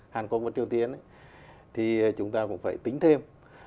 hàn quốc và triều tiên thì chúng ta cũng phải tính thêm